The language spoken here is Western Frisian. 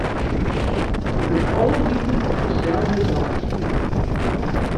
Der wurdt alle wiken op deselde dei spile.